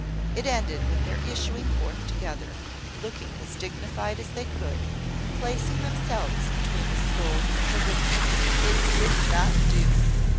It ended with their issuing forth together, looking as dignified as they could, and placing themselves between the scold and her victim. It would not do.